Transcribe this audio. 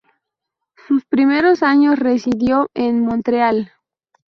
Sus primeros años residió en Montreal.